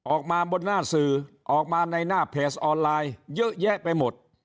ออกมาบนหน้าสื่อออกมาในหน้าเพจออนไลน์เยอะแยะไปหมด